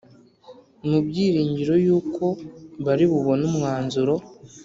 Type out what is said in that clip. Mu byiringiro yuko bari bubone umwanzuro